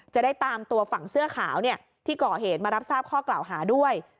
จะได้ตามตัวฝั่งเสื้อขาวที่ก่อเหตุมารับทราบข้อกล่าวหาด้วย